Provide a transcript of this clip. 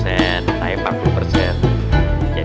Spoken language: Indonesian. alhamdulillah pak haji